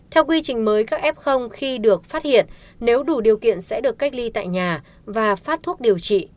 theo quy trình mới các f khi được phát hiện nếu đủ điều kiện sẽ được cách ly tại nhà và phát thuốc điều trị